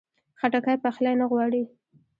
خټکی پخلی نه غواړي.